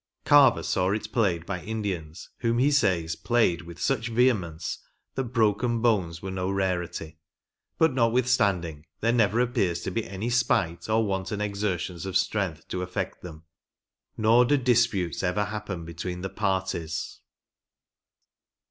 Carver saw it played by Indians, whom he says played with such vehemence that broken bones were no rarity, " but not withstanding, there never appears to be any spite, or wanton exertions of strciigth to affect them ; nor do disputes ever happen between the j>art{es.